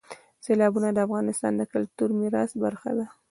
سیلابونه د افغانستان د کلتوري میراث برخه ده.